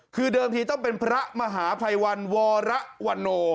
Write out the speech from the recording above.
คือเดิมทีต้องเป็นพระมหาภัยวันวรวันโน